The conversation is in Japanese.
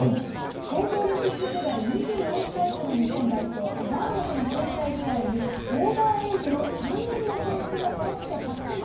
東京オリンピック世代２４歳以下の日本代表、ガーナとの強化試合にオーバーエイジの３人の選手がそろって初先発。